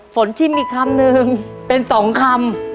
ฝนชิมอีกคำนึงเป็นสองคำ